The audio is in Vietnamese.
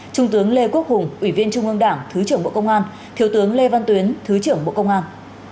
trung tướng lê quốc hùng ủy viên trung ương đảng thứ trưởng bộ công an thiếu tướng lê văn tuyến thứ trưởng bộ công an